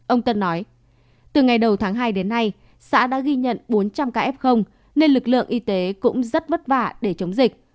ông tân nói từ ngày đầu tháng hai đến nay xã đã ghi nhận bốn trăm linh ca f nên lực lượng y tế cũng rất vất vả để chống dịch